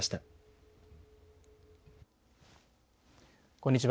こんにちは。